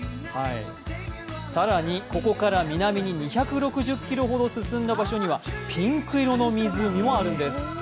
更にここから南に２６０ｋｍほど進んだ場所にはピンク色の湖もあるんです。